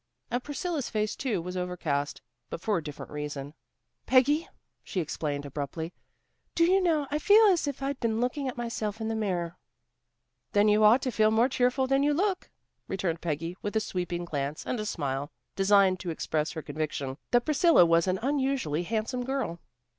And Priscilla's face, too, was overcast, but for a different reason. "Peggy," she exclaimed abruptly, "do you know I feel as if I'd been looking at myself in the mirror." "Then you ought to feel more cheerful than you look," returned Peggy with a sweeping glance, and a smile, designed to express her conviction that Priscilla was an unusually handsome girl.